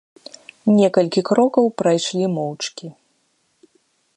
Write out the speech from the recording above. Некалькі крокаў прайшлі моўчкі.